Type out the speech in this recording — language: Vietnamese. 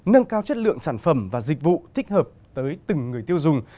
nâng cao chất lượng sản phẩm và dịch vụ thích hợp tới từng người tiêu dùng